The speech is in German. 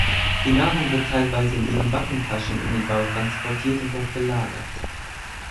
Die Nahrung wird teilweise in ihren Backentaschen in den Bau transportiert und dort gelagert.